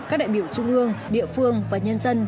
các đại biểu trung ương địa phương và nhân dân